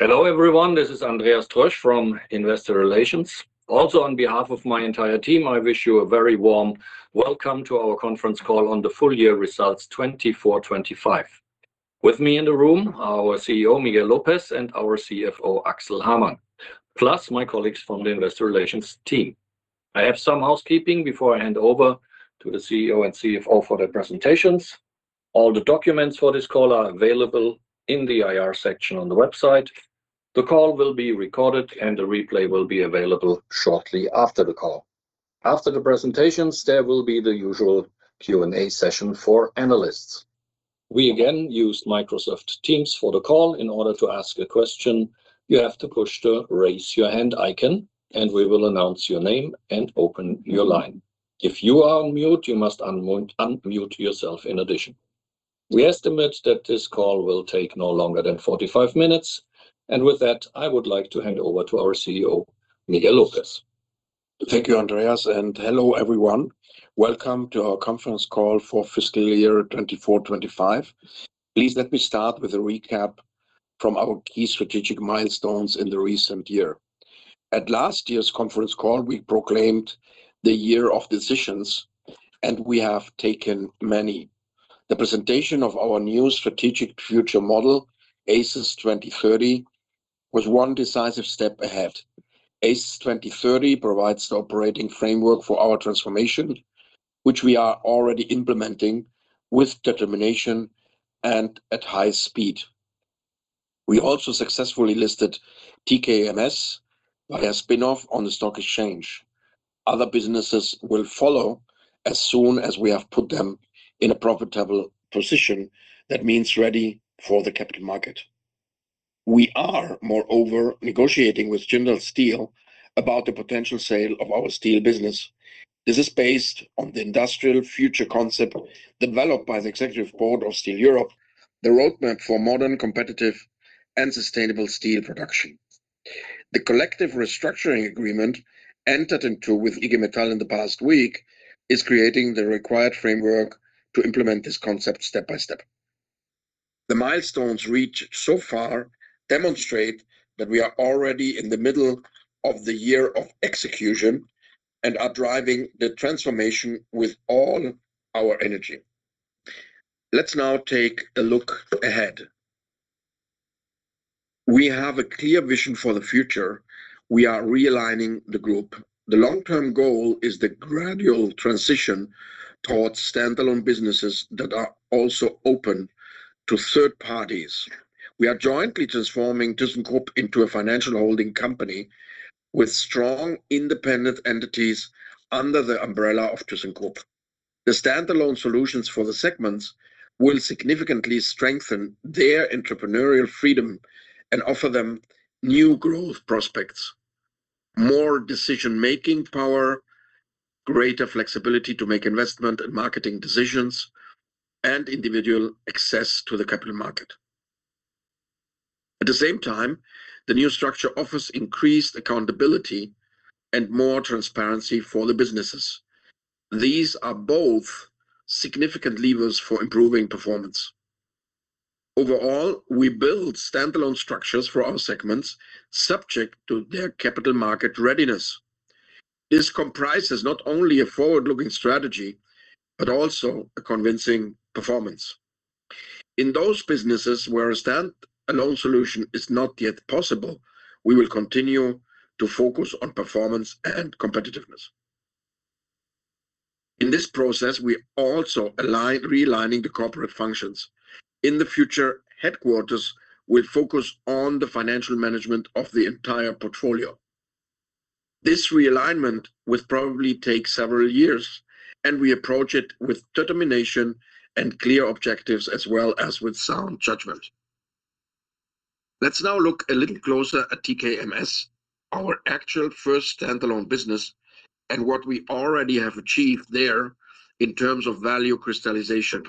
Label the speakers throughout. Speaker 1: Hello everyone, this is Andreas Troesch from Investor Relations. Also, on behalf of my entire team, I wish you a very warm welcome to our conference call on the full-year results 2024-2025. With me in the room, our CEO, Miguel López, and our CFO, Axel Hamann, plus my colleagues from the Investor Relations team. I have some housekeeping before I hand over to the CEO and CFO for their presentations. All the documents for this call are available in the IR section on the website. The call will be recorded, and the replay will be available shortly after the call. After the presentations, there will be the usual Q&A session for analysts. We again used Microsoft Teams for the call. In order to ask a question, you have to push the raise your hand icon, and we will announce your name and open your line. If you are on mute, you must unmute yourself in addition. We estimate that this call will take no longer than 45 minutes, and with that, I would like to hand over to our CEO, Miguel López.
Speaker 2: Thank you, Andreas, and hello everyone. Welcome to our conference call for fiscal year 2024-2025. Please let me start with a recap from our key strategic milestones in the recent year. At last year's conference call, we proclaimed the year of decisions, and we have taken many. The presentation of our new strategic future model, ASIS 2030, was one decisive step ahead. ASIS 2030 provides the operating framework for our transformation, which we are already implementing with determination and at high speed. We also successfully listed TKMS via spinoff on the stock exchange. Other businesses will follow as soon as we have put them in a profitable position. That means ready for the capital market. We are, moreover, negotiating with Jindal Steel about the potential sale of our steel business. This is based on the industrial future concept developed by the executive board of Steel Europe, the roadmap for modern, competitive, and sustainable steel production. The collective restructuring agreement entered into with IG Metall in the past week is creating the required framework to implement this concept step by step. The milestones reached so far demonstrate that we are already in the middle of the year of execution and are driving the transformation with all our energy. Let's now take a look ahead. We have a clear vision for the future. We are realigning the group. The long-term goal is the gradual transition towards standalone businesses that are also open to third parties. We are jointly transforming thyssenkrupp into a financial holding company with strong independent entities under the umbrella of thyssenkrupp. The standalone solutions for the segments will significantly strengthen their entrepreneurial freedom and offer them new growth prospects, more decision-making power, greater flexibility to make investment and marketing decisions, and individual access to the capital market. At the same time, the new structure offers increased accountability and more transparency for the businesses. These are both significant levers for improving performance. Overall, we build standalone structures for our segments subject to their capital market readiness. This comprises not only a forward-looking strategy, but also a convincing performance. In those businesses where a standalone solution is not yet possible, we will continue to focus on performance and competitiveness. In this process, we are also realigning the corporate functions. In the future, headquarters will focus on the financial management of the entire portfolio. This realignment will probably take several years, and we approach it with determination and clear objectives as well as with sound judgment. Let's now look a little closer at TKMS, our actual first standalone business, and what we already have achieved there in terms of value crystallization.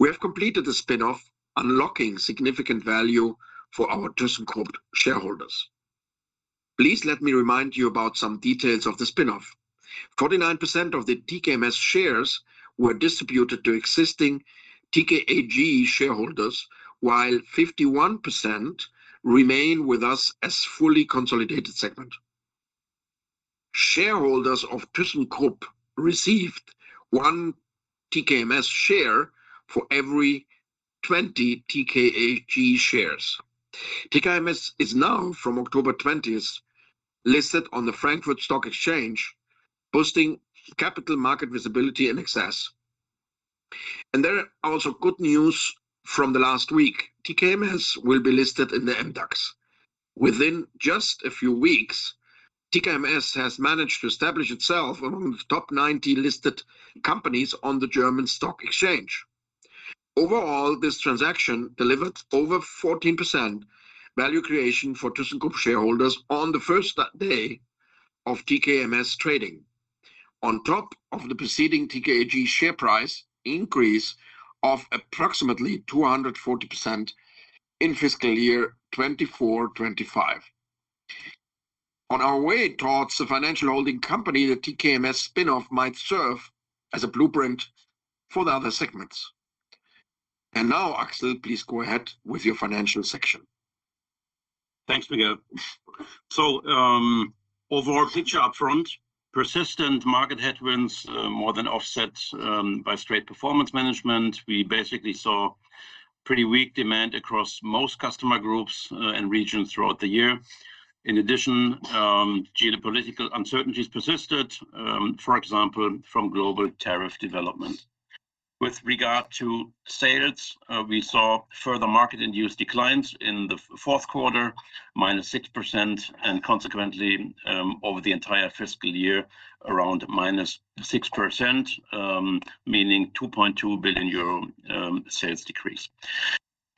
Speaker 2: We have completed the spinoff, unlocking significant value for our thyssenkrupp shareholders. Please let me remind you about some details of the spinoff. 49% of the TKMS shares were distributed to existing TKAG shareholders, while 51% remain with us as a fully consolidated segment. Shareholders of thyssenkrupp received one TKMS share for every 20 TKAG shares. TKMS is now, from October 20th, listed on the Frankfurt Stock Exchange, boosting capital market visibility and access. And there are also good news from the last week. TKMS will be listed in the MDAX. Within just a few weeks, TKMS has managed to establish itself among the top 90 listed companies on the German Stock Exchange. Overall, this transaction delivered over 14% value creation for thyssenkrupp shareholders on the first day of TKMS trading, on top of the preceding TKAG share price increase of approximately 240% in fiscal year 2024-2025. On our way towards the financial holding company, the TKMS spinoff might serve as a blueprint for the other segments. And now, Axel, please go ahead with your financial section.
Speaker 3: Thanks, Miguel. So, overall picture upfront, persistent market headwinds more than offset by straight performance management. We basically saw pretty weak demand across most customer groups and regions throughout the year. In addition, geopolitical uncertainties persisted, for example, from global tariff development. With regard to sales, we saw further market-induced declines in the fourth quarter, -6%, and consequently, over the entire fiscal year, around -6%, meaning 2.2 billion euro sales decrease.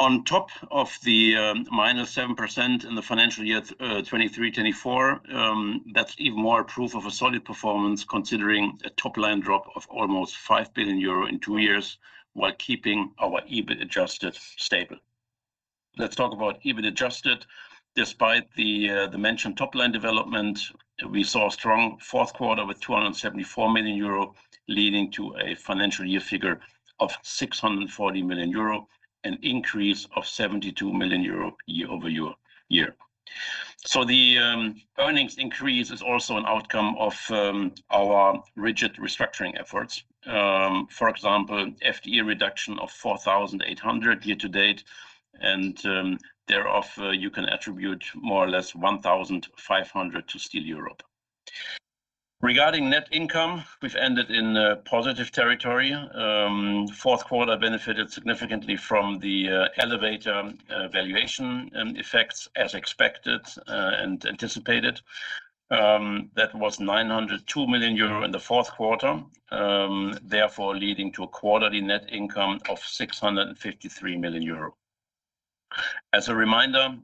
Speaker 3: On top of the -7% in the financial year 2023-24, that's even more proof of a solid performance, considering a top-line drop of almost 5 billion euro in two years while keeping our EBIT adjusted stable. Let's talk about EBIT adjusted. Despite the mentioned top-line development, we saw a strong fourth quarter with 274 million euro, leading to a financial year figure of 640 million euro, an increase of 72 million euro year-over-year. The earnings increase is also an outcome of our rigid restructuring efforts. For example, FTE reduction of 4,800 year-to-date, and thereof you can attribute more or less 1,500 to Steel Europe. Regarding net income, we've ended in positive territory. Fourth quarter benefited significantly from the elevator valuation effects, as expected and anticipated. That was 902 million euro in the fourth quarter, therefore leading to a quarterly net income of 653 million euro. As a reminder,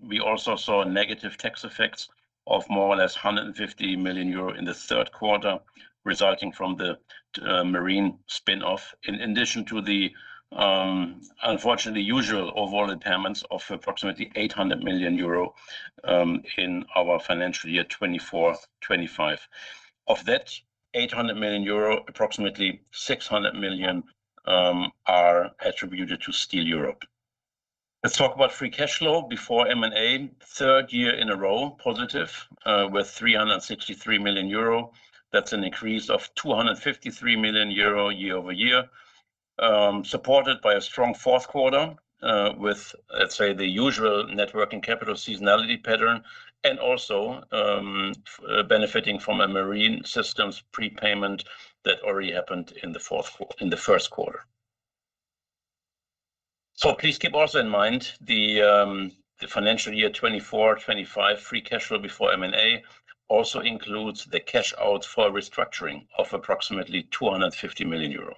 Speaker 3: we also saw negative tax effects of more or less 150 million euro in the third quarter, resulting from the marine spinoff, in addition to the unfortunately usual overall impairments of approximately 800 million euro in our financial year 2024-2025. Of that 800 million euro, approximately 600 million are attributed to Steel Europe. Let's talk about free cash flow before M&A. Third year in a row positive with 363 million euro. That's an increase of 253 million euro year-over-year, supported by a strong fourth quarter with, let's say, the usual net working capital seasonality pattern, and also benefiting from a Marine Systems prepayment that already happened in the first quarter. So, please keep also in mind the financial year 2024-2025 free cash flow before M&A also includes the cash out for restructuring of approximately 250 million euro.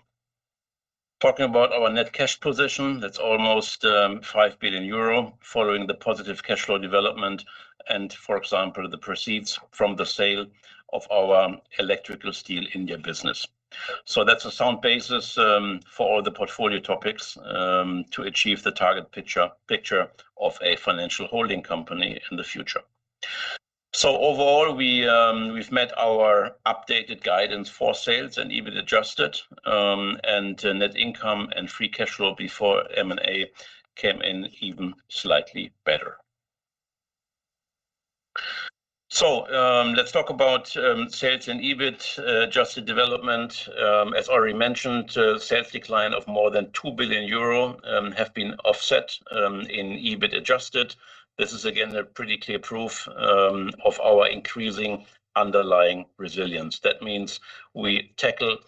Speaker 3: Talking about our net cash position, that's almost 5 billion euro following the positive cash flow development and, for example, the proceeds from the sale of our electrical steel India business. So, that's a sound basis for all the portfolio topics to achieve the target picture of a financial holding company in the future. So, overall, we've met our updated guidance for sales and EBIT adjusted, and net income and free cash flow before M&A came in even slightly better. So, let's talk about sales and EBIT adjusted development. As already mentioned, sales decline of more than 2 billion euro have been offset in EBIT adjusted. This is, again, a pretty clear proof of our increasing underlying resilience. That means we tackle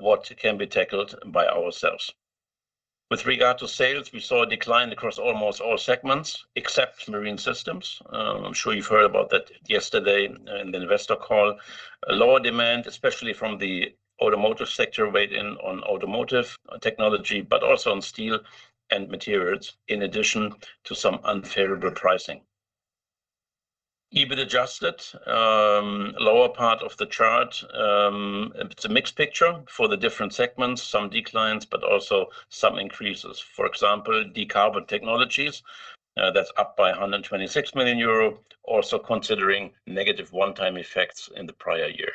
Speaker 3: what can be tackled by ourselves. With regard to sales, we saw a decline across almost all segments except Marine Systems. I'm sure you've heard about that yesterday in the investor call. Lower demand, especially from the automotive sector, weighed in on Automotive Technology, but also on steel and materials, in addition to some unfavorable pricing. EBIT adjusted, lower part of the chart. It's a mixed picture for the different segments, some declines, but also some increases. For example, Decarbon Technologies, that's up by 126 million euro, also considering negative one-time effects in the prior year.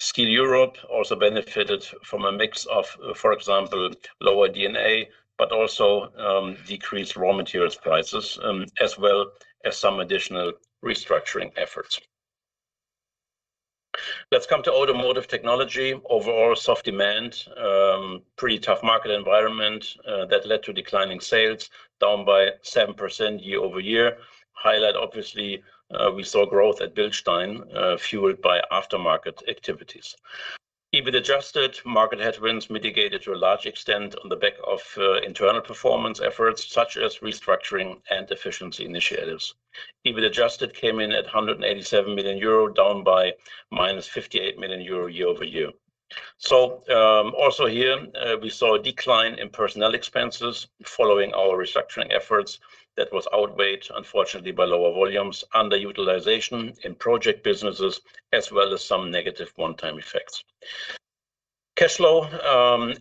Speaker 3: Steel Europe also benefited from a mix of, for example, lower D&A, but also decreased raw materials prices, as well as some additional restructuring efforts. Let's come to Automotive Technology. Overall, soft demand, pretty tough market environment that led to declining sales, down by 7% year-over-year. Highlight, obviously, we saw growth at Bilstein, fueled by aftermarket activities. EBIT adjusted, market headwinds mitigated to a large extent on the back of internal performance efforts, such as restructuring and efficiency initiatives. EBIT adjusted came in at 187 million euro, down by minus -58 million euro year-over-year. So, also here, we saw a decline in personnel expenses following our restructuring efforts. That was outweighed, unfortunately, by lower volumes, underutilization in project businesses, as well as some negative one-time effects. Cash flow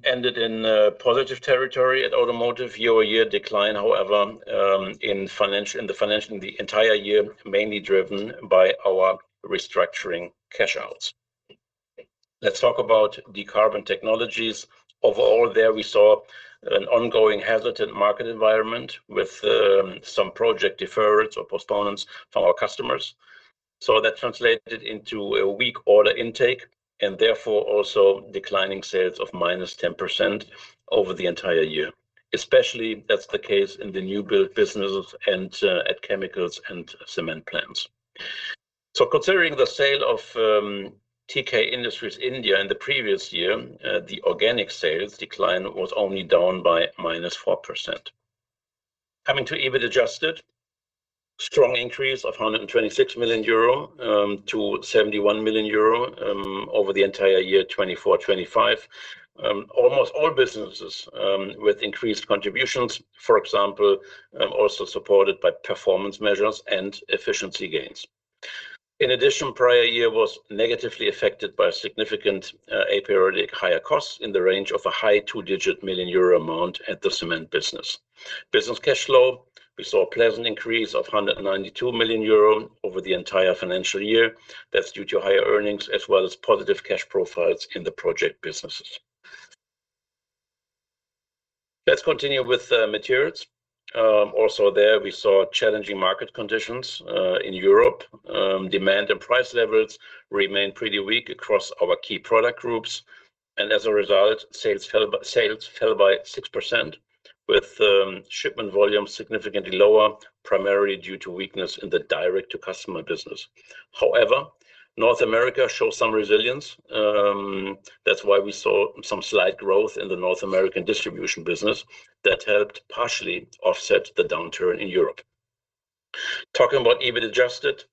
Speaker 3: ended in positive territory at automotive. Year-over-year decline, however, in the financials in the entire year, mainly driven by our restructuring cash outs. Let's talk about Decarbon Technologies. Overall, there we saw an ongoing headwind in the market environment with some project deferrals or postponements from our customers. So, that translated into a weak order intake and therefore also declining sales of minus 10% over the entire year. Especially, that's the case in the new build businesses and at chemicals and cement plants. So, considering the sale of TK Industries India in the previous year, the organic sales decline was only down by minus 4%. Coming to EBIT adjusted, strong increase of 126 million euro to 71 million euro over the entire year 2024-2025. Almost all businesses with increased contributions, for example, also supported by performance measures and efficiency gains. In addition, prior year was negatively affected by significant periodic higher costs in the range of a high two-digit million euro amount at the cement business. Business cash flow, we saw a pleasant increase of 192 million euro over the entire financial year. That's due to higher earnings as well as positive cash profiles in the project businesses. Let's continue with materials. Also there, we saw challenging market conditions in Europe. Demand and price levels remain pretty weak across our key product groups. And as a result, sales fell by 6%, with shipment volumes significantly lower, primarily due to weakness in the direct-to-customer business. However, North America showed some resilience. That's why we saw some slight growth in the North American distribution business. That helped partially offset the downturn in Europe. Talking about EBIT adjusted,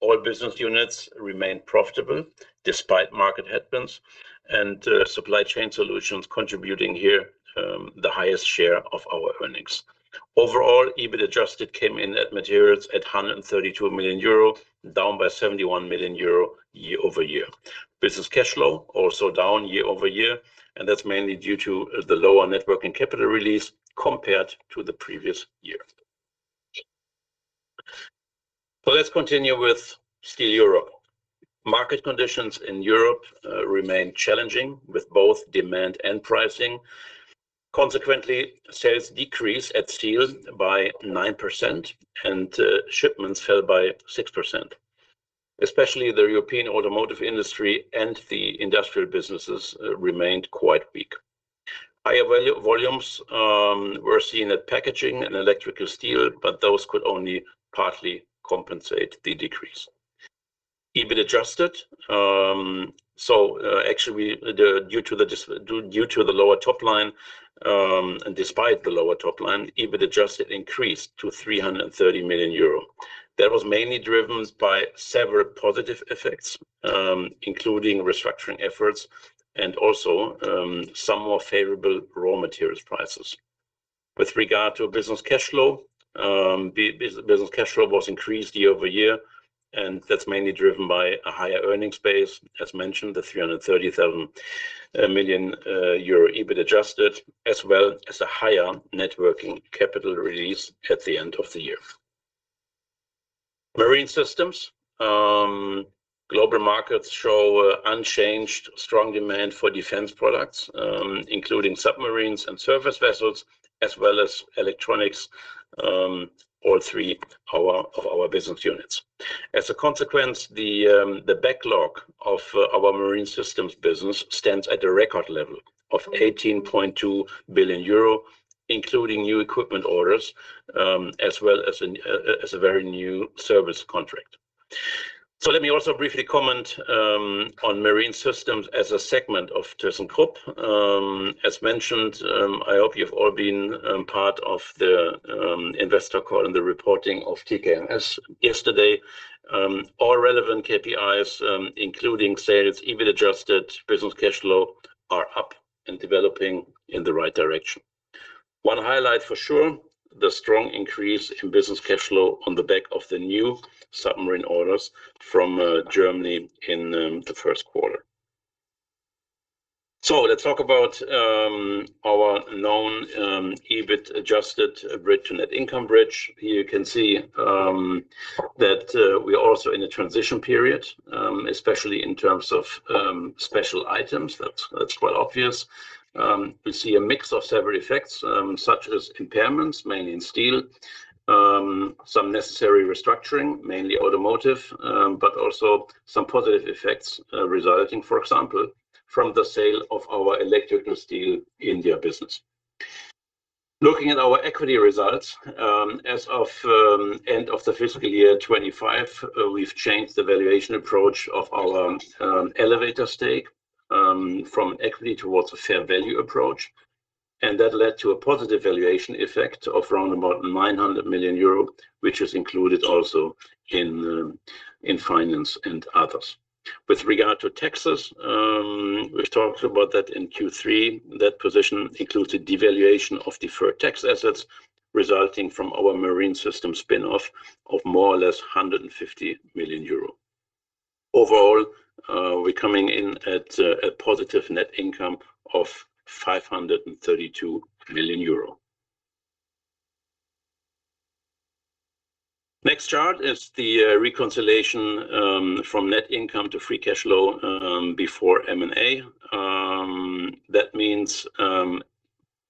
Speaker 3: all business units remained profitable despite market headwinds and supply chain solutions contributing here the highest share of our earnings. Overall, EBIT adjusted came in at materials at 132 million euro, down by 71 million euro year-over-year. Business cash flow also down year-over-year, and that's mainly due to the lower net working capital release compared to the previous year. So, let's continue with Steel Europe. Market conditions in Europe remain challenging with both demand and pricing. Consequently, sales decreased at Steel by 9%, and shipments fell by 6%. Especially, the European automotive industry and the industrial businesses remained quite weak. Higher volumes were seen at packaging and electrical steel, but those could only partly compensate the decrease. EBIT adjusted. So actually due to the lower top line, despite the lower top line, EBIT adjusted increased to 330 million euro. That was mainly driven by several positive effects, including restructuring efforts and also some more favorable raw materials prices. With regard to business cash flow, business cash flow was increased year-over-year, and that's mainly driven by a higher earnings base, as mentioned, the 330 million euro EBIT adjusted, as well as a higher net working capital release at the end of the year. Marine Systems global markets show unchanged strong demand for defense products, including submarines and surface vessels, as well as electronics, all three of our business units. As a consequence, the backlog of our Marine Systems business stands at a record level of 18.2 billion euro, including new equipment orders, as well as a very new service contract, so let me also briefly comment on Marine Systems as a segment of thyssenkrupp. As mentioned, I hope you've all been part of the investor call and the reporting of TKMS yesterday. All relevant KPIs, including sales, EBIT adjusted, business cash flow are up and developing in the right direction. One highlight for sure, the strong increase in business cash flow on the back of the new submarine orders from Germany in the first quarter, so let's talk about our known EBIT adjusted bridge to net income bridge. Here you can see that we're also in a transition period, especially in terms of special items. That's quite obvious. We see a mix of several effects, such as impairments, mainly in steel, some necessary restructuring, mainly automotive, but also some positive effects resulting, for example, from the sale of our electrical steel India business. Looking at our equity results, as of the end of the fiscal year 2025, we've changed the valuation approach of our elevator stake from equity towards a fair value approach and that led to a positive valuation effect of around about 900 million euro, which is included also in finance and others. With regard to taxes, we've talked about that in Q3. That position includes the devaluation of deferred tax assets resulting from our Marine Systems spinoff of more or less 150 million euro. Overall, we're coming in at a positive net income of 532 million euro. Next chart is the reconciliation from net income to free cash flow before M&A. That means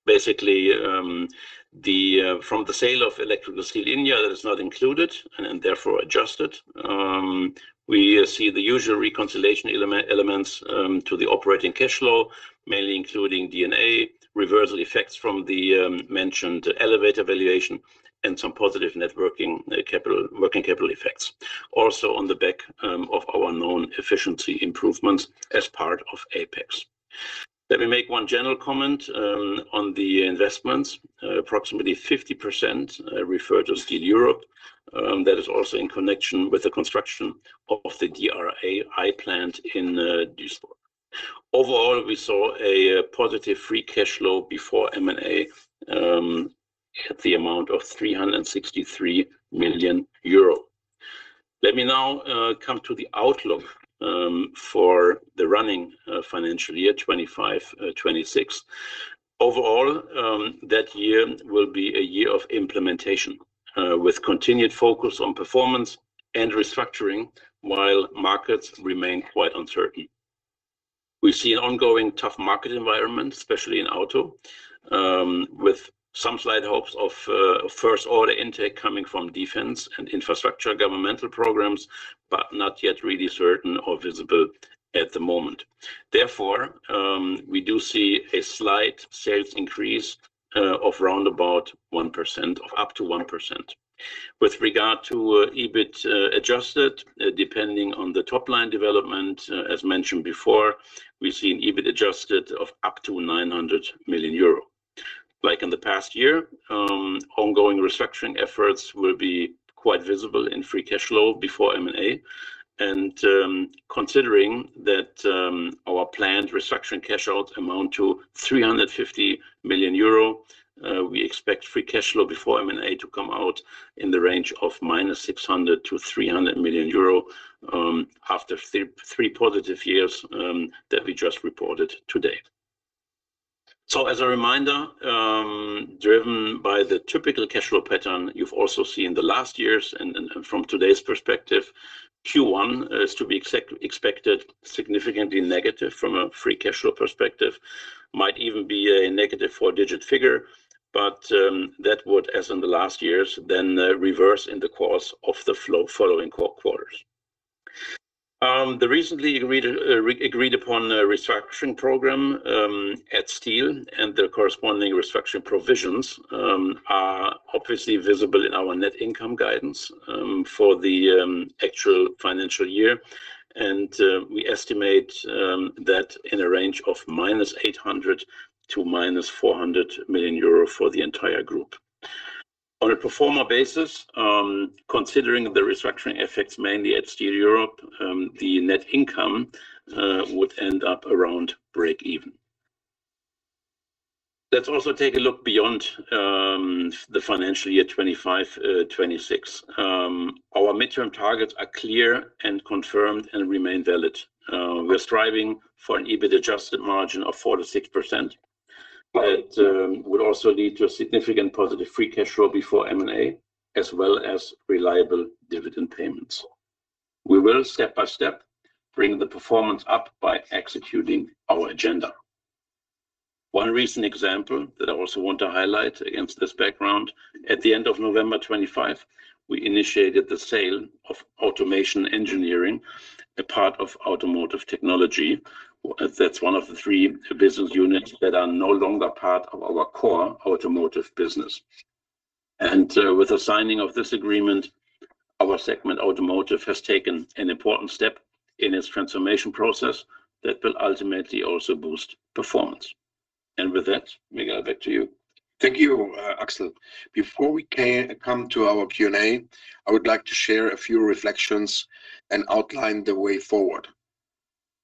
Speaker 3: basically from the sale of electrical steel India that is not included and therefore adjusted. We see the usual reconciliation elements to the operating cash flow, mainly including D&A, reversal effects from the mentioned elevator valuation, and some positive net working capital effects. Also on the back of our known efficiency improvements as part of APEX. Let me make one general comment on the investments. Approximately 50% refer to Steel Europe. That is also in connection with the construction of the DRI plant in Duisburg. Overall, we saw a positive free cash flow before M&A at the amount of 363 million euro. Let me now come to the outlook for the running financial year 2025-2026. Overall, that year will be a year of implementation with continued focus on performance and restructuring while markets remain quite uncertain. We see an ongoing tough market environment, especially in auto, with some slight hopes of first order intake coming from defense and infrastructure governmental programs, but not yet really certain or visible at the moment. Therefore, we do see a slight sales increase of round about 1%, of up to 1%. With regard to EBIT adjusted, depending on the top line development, as mentioned before, we've seen EBIT adjusted of up to 900 million euro. Like in the past year, ongoing restructuring efforts will be quite visible in free cash flow before M&A. And considering that our planned restructuring cash out amount to 350 million euro, we expect free cash flow before M&A to come out in the range of minus -600 to 300 million euro after three positive years that we just reported today. So, as a reminder, driven by the typical cash flow pattern you've also seen the last years and from today's perspective, Q1 is to be expected significantly negative from a free cash flow perspective. Might even be a negative four-digit figure, but that would, as in the last years, then reverse in the course of the following quarters. The recently agreed upon restructuring program at Steel and the corresponding restructuring provisions are obviously visible in our net income guidance for the actual financial year, and we estimate that in a range of -800 to -400 million euro for the entire group. On a pro forma basis, considering the restructuring effects mainly at Steel Europe, the net income would end up around break-even. Let's also take a look beyond the financial year 2025-2026. Our midterm targets are clear and confirmed and remain valid. We're striving for an EBIT adjusted margin of 4%-6% that would also lead to a significant positive free cash flow before M&A, as well as reliable dividend payments. We will step by step bring the performance up by executing our agenda. One recent example that I also want to highlight against this background, at the end of November 2025, we initiated the sale of automation engineering, a part of Automotive Technology. That's one of the three business units that are no longer part of our core automotive business. And with the signing of this agreement, our segment automotive has taken an important step in its transformation process that will ultimately also boost performance. And with that, Miguel, back to you.
Speaker 2: Thank you, Axel. Before we come to our Q&A, I would like to share a few reflections and outline the way forward.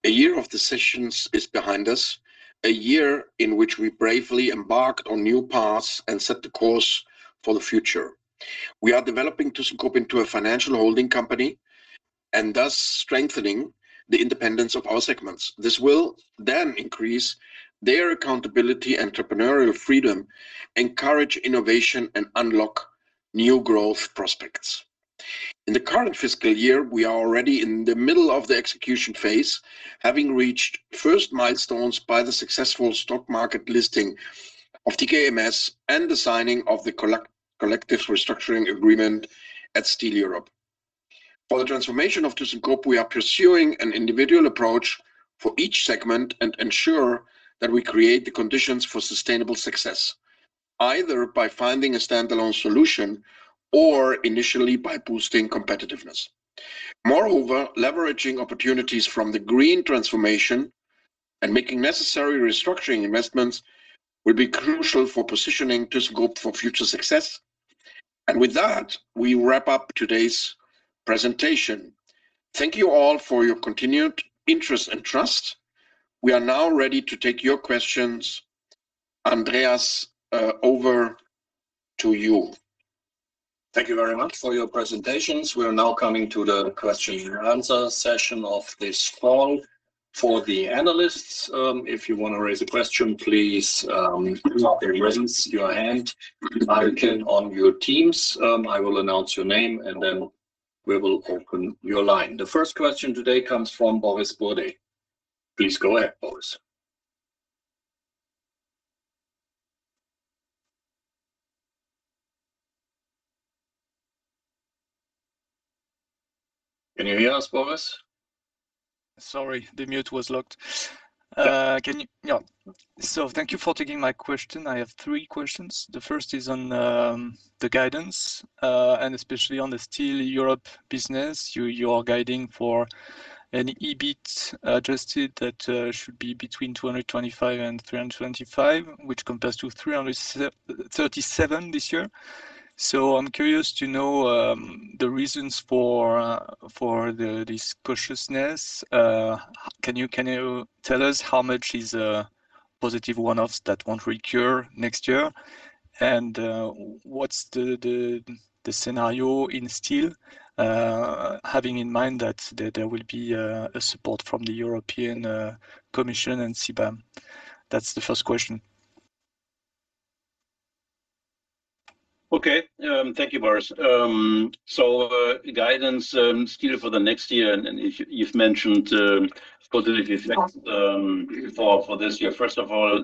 Speaker 2: A year of decisions is behind us, a year in which we bravely embarked on new paths and set the course for the future. We are developing thyssenkrupp into a financial holding company and thus strengthening the independence of our segments. This will then increase their accountability, entrepreneurial freedom, encourage innovation, and unlock new growth prospects. In the current fiscal year, we are already in the middle of the execution phase, having reached first milestones by the successful stock market listing of TKMS and the signing of the collective restructuring agreement at Steel Europe. For the transformation of thyssenkrupp, we are pursuing an individual approach for each segment and ensure that we create the conditions for sustainable success, either by finding a standalone solution or initially by boosting competitiveness. Moreover, leveraging opportunities from the green transformation and making necessary restructuring investments will be crucial for positioning thyssenkrupp for future success. And with that, we wrap up today's presentation. Thank you all for your continued interest and trust. We are now ready to take your questions, Andreas, over to you.
Speaker 1: Thank you very much for your presentations. We are now coming to the question and answer session of this call. For the analysts, if you want to raise a question, please put up in your presence your hand. I can on your Teams. I will announce your name, and then we will open your line. The first question today comes from Boris Bourdet. Please go ahead, Boris. Can you hear us, Boris?
Speaker 4: Sorry, the mute was locked. So thank you for taking my question. I have three questions. The first is on the guidance and especially on the Steel Europe business. You are guiding for an EBIT adjusted that should be between 225 and 325, which compares to 337 this year. So I'm curious to know the reasons for this cautiousness. Can you tell us how much is a positive one-offs that won't recur next year? And what's the scenario in Steel, having in mind that there will be support from the European Commission and CBAM? That's the first question.
Speaker 3: Okay, thank you, Boris. So guidance Steel for the next year, and you've mentioned positive effects for this year. First of all,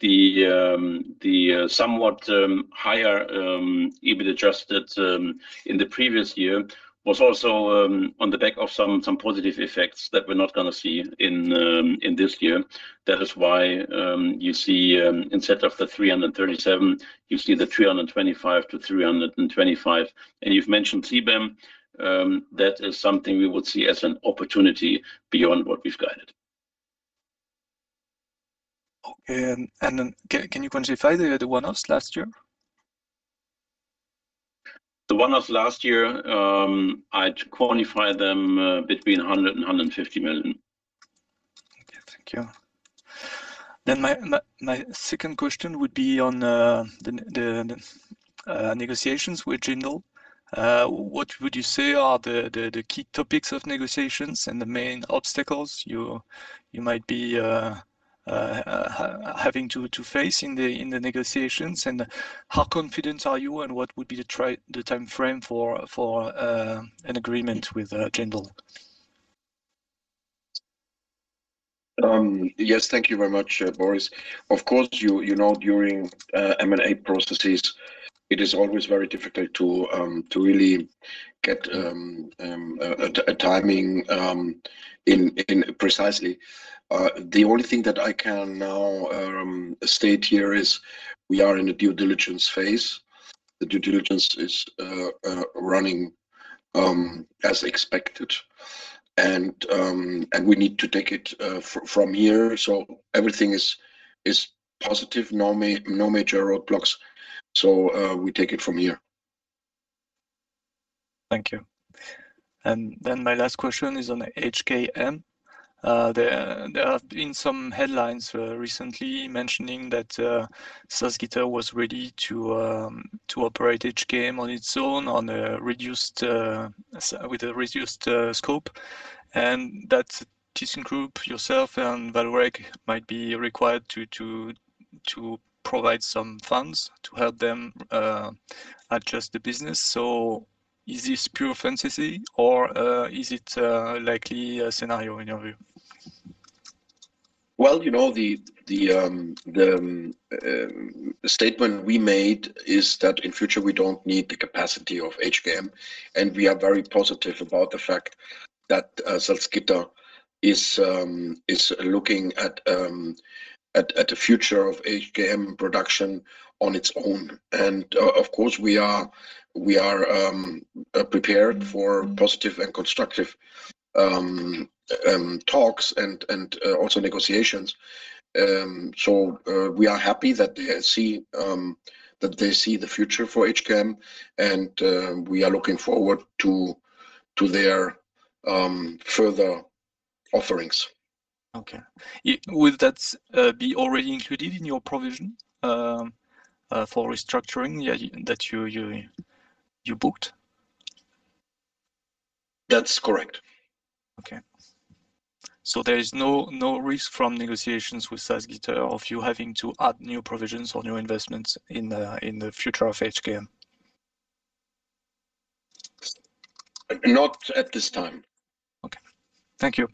Speaker 3: the somewhat higher EBIT adjusted in the previous year was also on the back of some positive effects that we're not going to see in this year. That is why you see instead of the 337, you see the 325 to 325. And you've mentioned CBAM. That is something we would see as an opportunity beyond what we've guided. Okay.
Speaker 4: And then can you quantify the one-offs last year?
Speaker 3: The one-offs last year, I'd quantify them between 100 million and 150 million.
Speaker 4: Okay, thank you. Then my second question would be on the negotiations with Jindal. What would you say are the key topics of negotiations and the main obstacles you might be having to face in the negotiations? And how confident are you, and what would be the timeframe for an agreement with Jindal?
Speaker 3: Yes, thank you very much, Boris. Of course, during M&A processes, it is always very difficult to really get a timing precisely. The only thing that I can now state here is we are in a due diligence phase. The due diligence is running as expected, and we need to take it from here. So everything is positive, no major roadblocks. So we take it from here.
Speaker 4: Thank you. And then my last question is on HKM. There have been some headlines recently mentioning that Salzgitter was ready to operate HKM on its own with a reduced scope. And that Thyssenkrupp, yourself, and Vallourec might be required to provide some funds to help them adjust the business. So is this pure fantasy, or is it likely a scenario in your view?
Speaker 3: Well, the statement we made is that in future, we don't need the capacity of HKM. And we are very positive about the fact that Salzgitter is looking at the future of HKM production on its own. And of course, we are prepared for positive and constructive talks and also negotiations. So we are happy that they see the future for HKM, and we are looking forward to their further offerings.
Speaker 4: Okay. Will that be already included in your provision for restructuring that you booked?
Speaker 3: That's correct.
Speaker 4: Okay. So there is no risk from negotiations with Salzgitter of you having to add new provisions or new investments in the future of HKM?
Speaker 3: Not at this time.
Speaker 4: Okay. Thank you.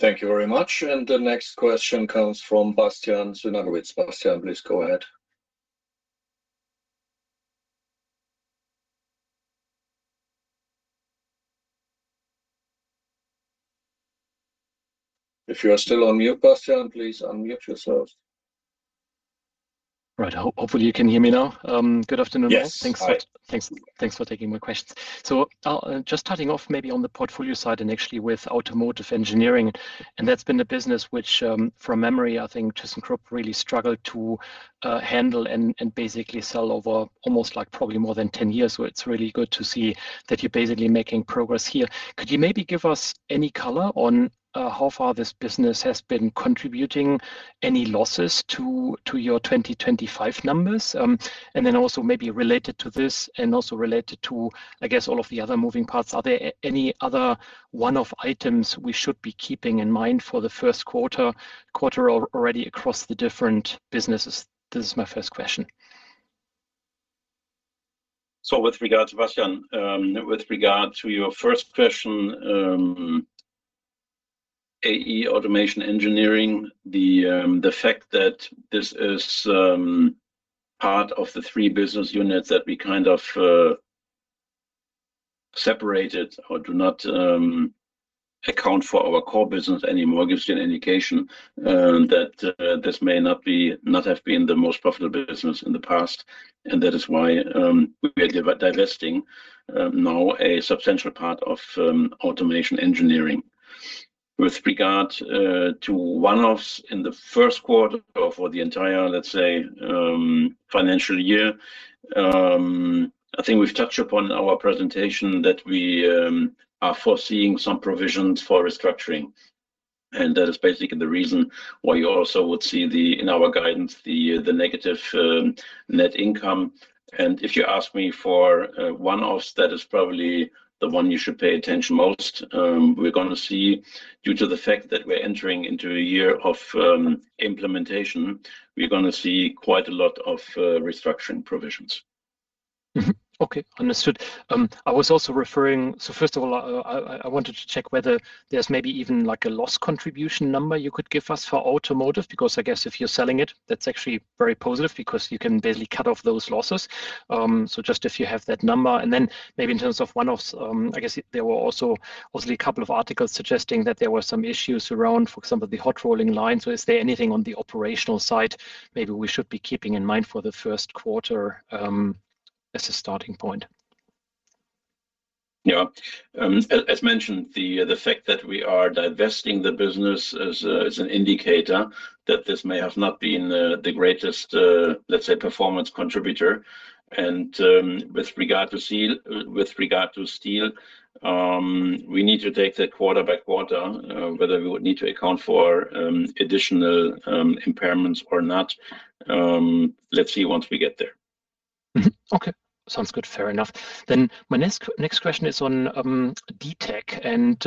Speaker 1: Thank you very much. And the next question comes from Bastian Synagowitz. Bastian, please go ahead. If you are still on mute, Bastian, please unmute yourself.
Speaker 5: Right. Hopefully, you can hear me now. Good afternoon, guys. Thanks for taking my questions. So, just starting off, maybe on the portfolio side and actually with automotive engineering. And that's been a business which, from memory, I think thyssenkrupp really struggled to handle and basically sell over almost probably more than 10 years. So, it's really good to see that you're basically making progress here. Could you maybe give us any color on how far this business has been contributing, any losses to your 2025 numbers? And then also maybe related to this and also related to, I guess, all of the other moving parts, are there any other one-off items we should be keeping in mind for the first quarter already across the different businesses? This is my first question.
Speaker 3: So with regard to Bastian, with regard to your first question, AE, Automation Engineering, the fact that this is part of the three business units that we kind of separated or do not account for our core business anymore gives you an indication that this may not have been the most profitable business in the past. And that is why we are divesting now a substantial part of automation engineering. With regard to one-offs in the first quarter for the entire, let's say, financial year, I think we've touched upon in our presentation that we are foreseeing some provisions for restructuring. And that is basically the reason why you also would see in our guidance the negative net income. And if you ask me for one-offs, that is probably the one you should pay attention most. We're going to see, due to the fact that we're entering into a year of implementation, we're going to see quite a lot of restructuring provisions.
Speaker 5: Okay, understood. I was also referring, so first of all, I wanted to check whether there's maybe even a loss contribution number you could give us for automotive, because I guess if you're selling it, that's actually very positive because you can basically cut off those losses. So just if you have that number. And then maybe in terms of one-offs, I guess there were also obviously a couple of articles suggesting that there were some issues around, for example, the hot rolling line. So is there anything on the operational side maybe we should be keeping in mind for the first quarter as a starting point?
Speaker 3: Yeah. As mentioned, the fact that we are divesting the business is an indicator that this may have not been the greatest, let's say, performance contributor, and with regard to steel, we need to take that quarter by quarter, whether we would need to account for additional impairments or not. Let's see once we get there.
Speaker 5: Okay. Sounds good. Fair enough, then my next question is on DTEC, and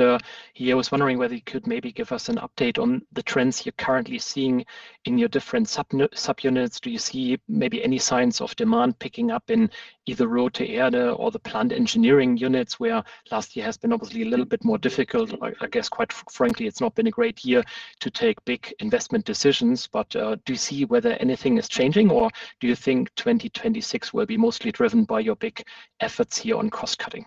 Speaker 5: here I was wondering whether you could maybe give us an update on the trends you're currently seeing in your different subunits. Do you see maybe any signs of demand picking up in either raw materials area or the plant engineering units where last year has been obviously a little bit more difficult? I guess, quite frankly, it's not been a great year to take big investment decisions. But do you see whether anything is changing, or do you think 2026 will be mostly driven by your big efforts here on cost cutting?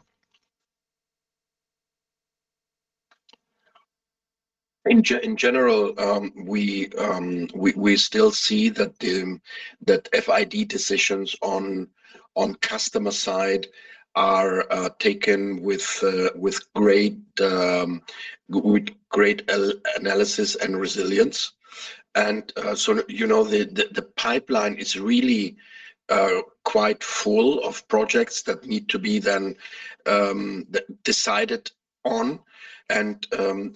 Speaker 3: In general, we still see that FID decisions on customer side are taken with great analysis and resilience. And so the pipeline is really quite full of projects that need to be then decided on. And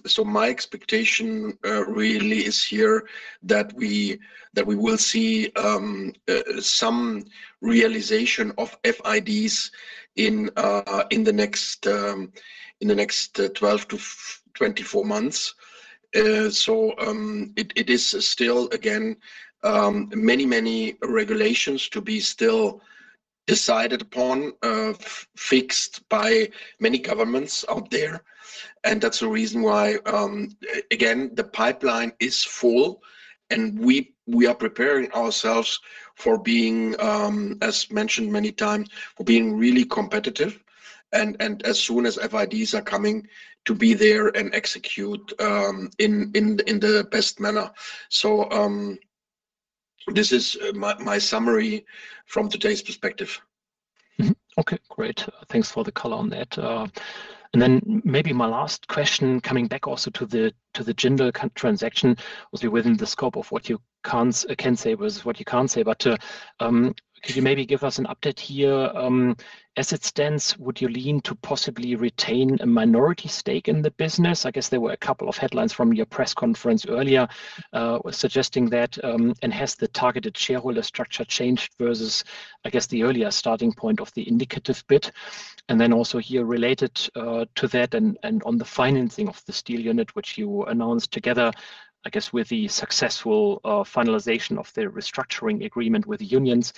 Speaker 3: so my expectation really is here that we will see some realization of FIDs in the next 12-24 months. So it is still, again, many, many regulations to be still decided upon, fixed by many governments out there. And that's the reason why, again, the pipeline is full. And we are preparing ourselves for being, as mentioned many times, for being really competitive. And as soon as FIDs are coming to be there and execute in the best manner. So this is my summary from today's perspective.
Speaker 5: Okay, great. Thanks for the color on that. Then maybe my last question coming back also to the Jindal transaction would be within the scope of what you can say versus what you can't say. But could you maybe give us an update here? As it stands, would you lean to possibly retain a minority stake in the business? I guess there were a couple of headlines from your press conference earlier suggesting that. Has the targeted shareholder structure changed versus, I guess, the earlier starting point of the indicative bid? Then also here related to that and on the financing of the steel unit, which you announced together, I guess, with the successful finalization of the restructuring agreement with the unions.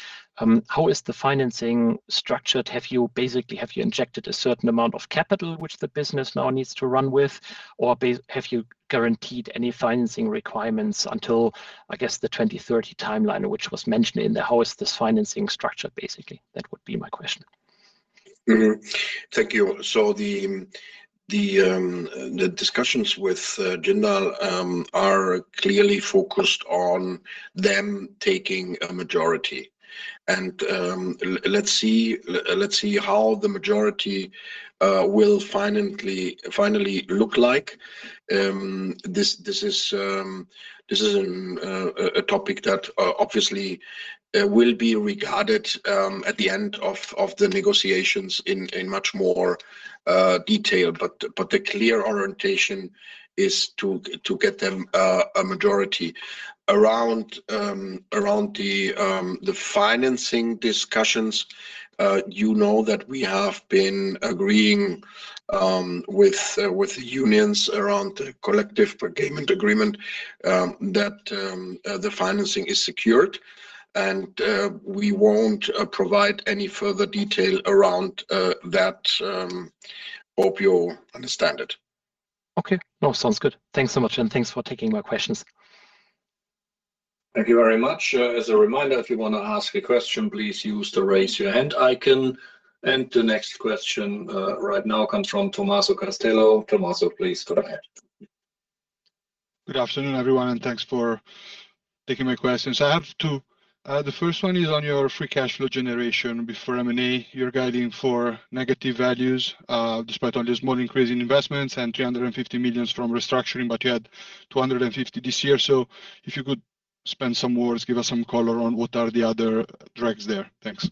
Speaker 5: How is the financing structured? Basically, have you injected a certain amount of capital which the business now needs to run with? Or have you guaranteed any financing requirements until, I guess, the 2030 timeline, which was mentioned in the slides, this financing structure, basically? That would be my question.
Speaker 3: Thank you. So the discussions with Jindal are clearly focused on them taking a majority. And let's see how the majority will finally look like. This is a topic that obviously will be regarded at the end of the negotiations in much more detail. But the clear orientation is to get them a majority. Around the financing discussions, you know that we have been agreeing with the unions around the collective agreement that the financing is secured. And we won't provide any further detail around that, hope you understand it.
Speaker 5: Okay. No, sounds good. Thanks so much. And thanks for taking my questions.
Speaker 1: Thank you very much. As a reminder, if you want to ask a question, please use the raise your hand icon. The next question right now comes from Tommaso Castello. Tommaso, please go ahead.
Speaker 6: Good afternoon, everyone, and thanks for taking my questions. I have two. The first one is on your free cash flow generation before M&A. You are guiding for negative values despite all this more increasing investments and 350 million from restructuring, but you had 250 million this year. So if you could spend some words, give us some color on what are the other drags there. Thanks.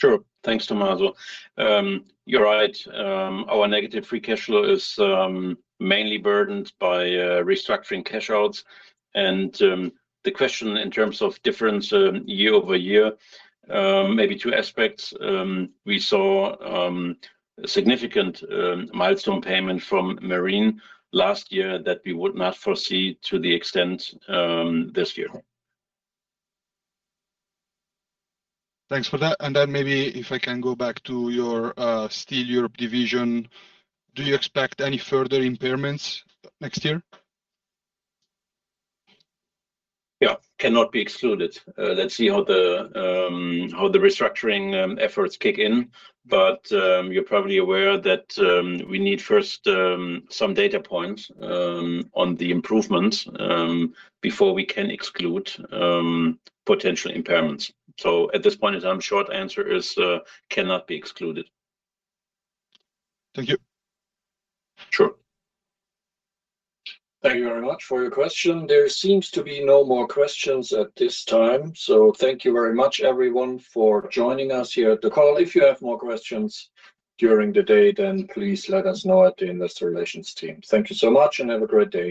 Speaker 3: Sure. Thanks, Tommaso. You are right. Our negative free cash flow is mainly burdened by restructuring cash outs. The question in terms of difference year over year, maybe two aspects. We saw significant milestone payment from Marine last year that we would not foresee to the extent this year.
Speaker 6: Thanks for that. And then maybe if I can go back to your Steel Europe division, do you expect any further impairments next year?
Speaker 3: Yeah, cannot be excluded. Let's see how the restructuring efforts kick in. But you're probably aware that we need first some data points on the improvements before we can exclude potential impairments. So at this point in time, short answer is cannot be excluded.
Speaker 6: Thank you.
Speaker 3: Sure.
Speaker 1: Thank you very much for your question. There seems to be no more questions at this time. So thank you very much, everyone, for joining us here at the call. If you have more questions during the day, then please let us know at the Investor Relations team. Thank you so much and have a great day.